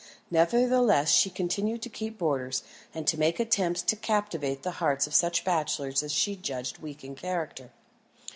Nevertheless, she continued to keep boarders, and to make attempts to captivate the hearts of such bachelors as she judged weak in character.